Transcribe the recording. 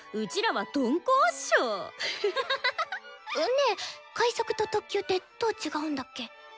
ねえ快速と特急ってどう違うんだっけ？